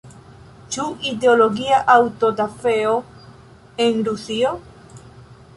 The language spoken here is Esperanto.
Ĉu ideologia aŭtodafeo en Rusio?